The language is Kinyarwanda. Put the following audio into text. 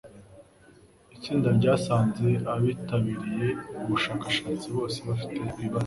Itsinda ryasanze abitabiriye ubushakashatsi bose bafite ibibazo